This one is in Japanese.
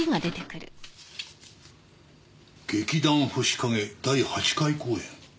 「劇団星影第８回公演」。